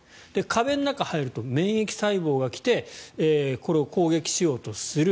壁の中に入ると免疫細胞が来てこれを攻撃しようとする。